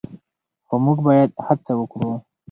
خو موږ باید هڅه وکړو.